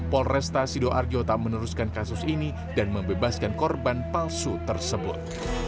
polresta sidoarjo tak meneruskan kasus ini dan membebaskan korban palsu tersebut